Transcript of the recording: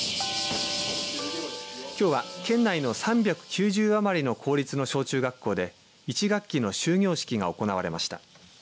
きょうは県内の３９０余りの公立の小中学校で１学期の終業式が行われました。